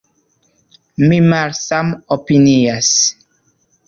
Mi malsamopinias.